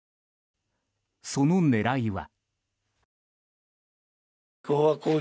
その狙いは。